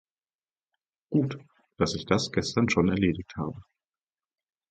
Gut, dass ich das gestern schon erledigt habe.